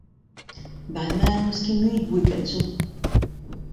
Bremañ n'eus ket mui abaoe pell zo.